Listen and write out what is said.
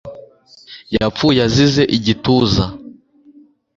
Yapfuye azize igituza